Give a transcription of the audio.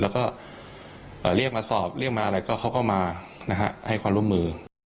แล้วก็เรียกมาสอบเรียกมาอะไรก็เขาก็มาให้ความร่วมมือ